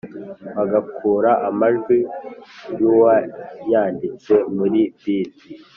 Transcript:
bagakura amajwi y'uwayanditse muri beat